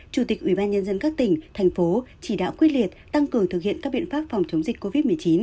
chủ tịch ubnd các tỉnh thành phố chỉ đạo quyết liệt tăng cường thực hiện các biện pháp phòng chống dịch covid một mươi chín